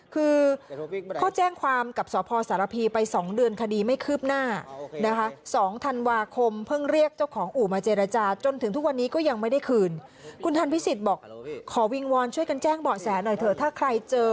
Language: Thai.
คือเขาแจ้งความกับสศพสารพีไป๒เดือนคดีไม่คืบหน้า